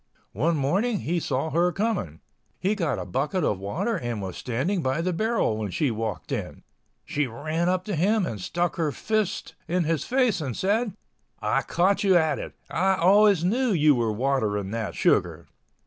One morning he saw her coming. He got a bucket of water and was standing by the barrel when she walked in. She ran up to him and stuck her first in his face and said, "I caught you at last—I always knew you were watering that sugar!"